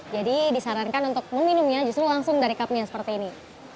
jadi disarankan untuk meminumnya justru langsung dari cup nya seperti ini